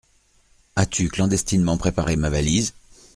As-tu clandestinement préparé ma valise ?